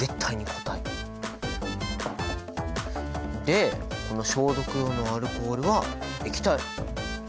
でこの消毒用のアルコールは液体！